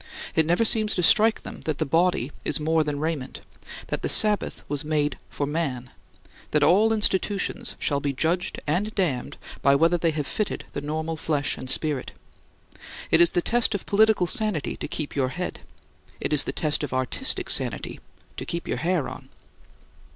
It never seems to strike them that the body is more than raiment; that the Sabbath was made for man; that all institutions shall be judged and damned by whether they have fitted the normal flesh and spirit. It is the test of political sanity to keep your head. It is the test of artistic sanity to keep your hair on.